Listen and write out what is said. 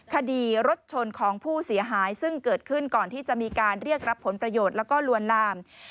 คดีรถชนของผู้เสียหายซึ่งเกิดขึ้นก่อนที่จะมีการเรียกรับผลประโยชน์แล้วก็ลวนลาม